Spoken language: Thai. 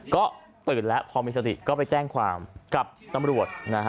ก็ตื่นแล้วพอมีสติก็ไปแจ้งความกับตำรวจนะฮะ